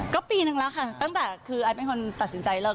ก็ปีนึงแล้วค่ะตั้งแต่คือไอซ์เป็นคนตัดสินใจเลิก